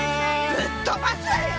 ぶっ飛ばすわよ！